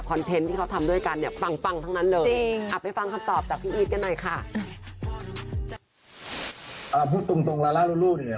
คอนเทนต์ที่เค้าทำด้วยกันเนี่ย